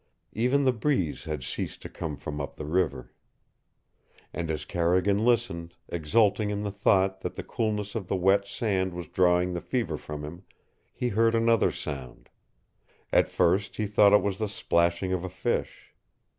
Even the breeze had ceased to come from up the river. And as Carrigan listened, exulting in the thought that the coolness of the wet sand was drawing the fever from him, he heard another sound. At first he thought it was the splashing of a fish.